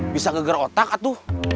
bisa geger otak atu